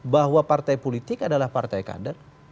bahwa partai politik adalah partai kader